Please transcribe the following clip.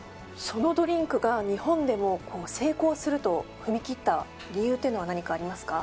そのドリンクが日本でも成功すると踏み切った理由っていうのは何かありますか？